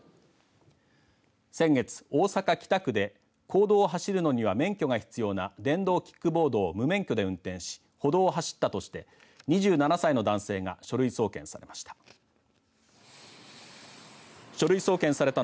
先月大阪、北区で公道を走るのには免許が必要な電動キックボードを無免許で運転し歩道を走ったとして２７歳の男性が書類送検されました。